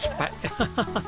ハハハハ。